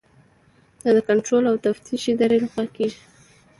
دا د کنټرول او تفتیش ادارې لخوا کیږي.